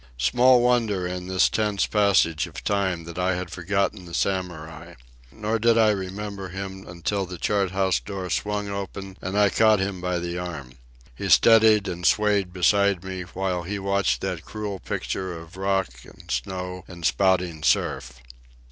Small wonder, in this tense passage of time, that I had forgotten the Samurai. Nor did I remember him until the chart house door swung open and I caught him by the arm. He steadied and swayed beside me, while he watched that cruel picture of rock and snow and spouting surf.